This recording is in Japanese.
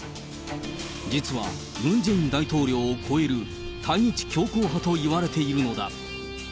実はムン・ジェイン大統領を超える対日強硬派といわれているのだ。